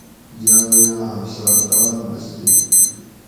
جامعہ حفصہ (لال مسجد)